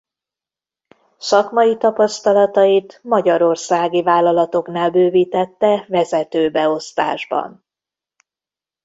Szakmai tapasztalatait magyarországi vállalatoknál bővítette vezető beosztásban.